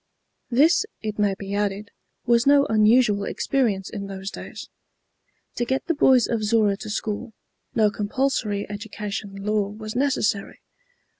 This, it may be added, was no unusual experience in those days. To get the boys of Zorra to school, no compulsory education law was necessary.